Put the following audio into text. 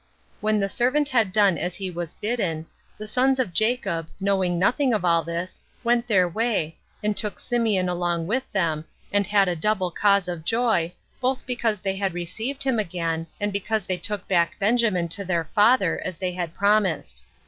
When the servant had done as he was bidden, the sons of Jacob, knowing nothing of all this, went their way, and took Symeon along with them, and had a double cause of joy, both because they had received him again, and because they took back Benjamin to their father, as they had promised.